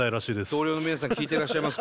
同僚の皆さん聴いてらっしゃいますか？